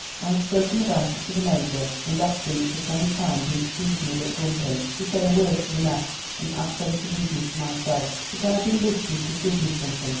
I have spoken about it to the Major, and asked him if at any time he sees me look grumpy, to say a word to the mess, and ask them to leave me to myself; but I do wish you could give me something."